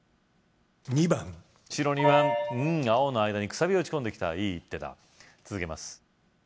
２番白２番うん青の間にくさびを打ち込んできたいい一手だ続けます